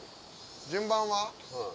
順番は？